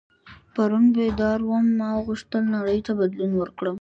پرون بیدار وم ما غوښتل نړۍ ته بدلون ورکړم.